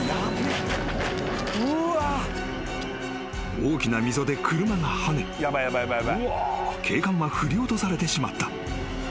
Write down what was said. ［大きな溝で車が跳ね警官は振り落とされてしまった］